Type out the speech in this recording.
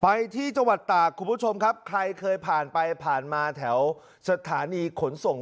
ไปที่จังหวัดตากคุณผู้ชมครับใครเคยผ่านไปผ่านมาแถวสถานีขนส่ง